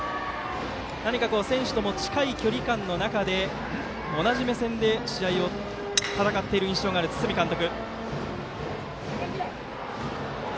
何か、選手とも近い距離感の中で同じ目線で試合を戦っている印象のある堤監督。